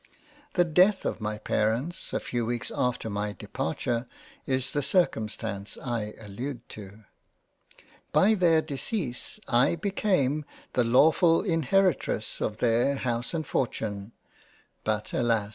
The death of my Parents a few weeks after my Departure, is the circumstance I allude to. By their decease I became the lawfull Inheritress of their House and Fortune. But alas